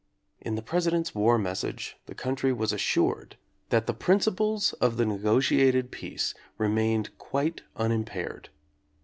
In the President's war message the country was assured that the prin ciples of the negotiated peace remained quite un impaired.